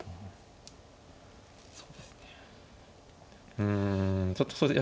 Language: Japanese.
うんちょっとそうですね。